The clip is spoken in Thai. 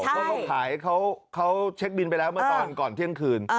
ใช่ก็ต้องขายเขาเขาเช็คบินไปแล้วเมื่อตอนก่อนเที่ยงคืน